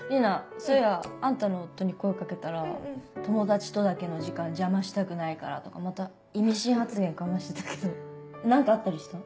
そういやあんたの夫に声かけたら「友達とだけの時間邪魔したくないから」とかまた意味深発言かましてたけど何かあったりした？